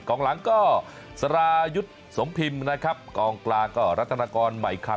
งหลังก็สรายุทธ์สมพิมพ์นะครับกองกลางก็รัฐนากรใหม่คำ